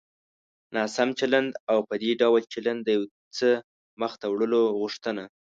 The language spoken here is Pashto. ناسم چلند او په دې ډول چلند د يو څه مخته وړلو غوښتنه.